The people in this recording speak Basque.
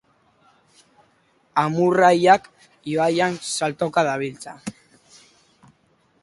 Amurraiak ibaian saltoka dabiltza.